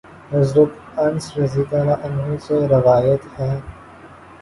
حضرت انس رضی اللہ عنہ سے روایت ہے